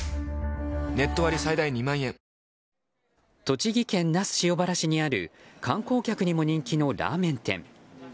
栃木県那須塩原市にある観光客にも人気のラーメン店。